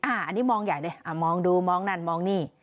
อันนี้มองใหญ่เลยมองดูมองนั่นมองนี่